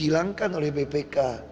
hilangkan oleh bpk